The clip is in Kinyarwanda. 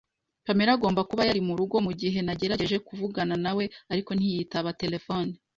Pamela agomba kuba yari murugo mugihe nagerageje kuvugana nawe, ariko ntiyitaba telefone.